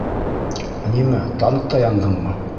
Нимә, танкта яндыңмы?